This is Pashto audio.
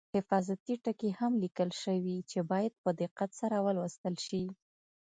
حفاظتي ټکي هم لیکل شوي چې باید په دقت سره ولوستل شي.